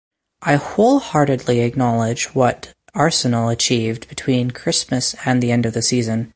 I wholeheartedly acknowledge what Arsenal achieved between Christmas and the end of the season.